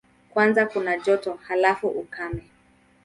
Kwanza kuna joto, halafu ukame.